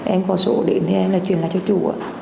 em có sổ điện thì em chuyển lại cho chủ